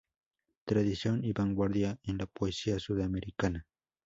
Tradición y vanguardia en la poesía sudamericana.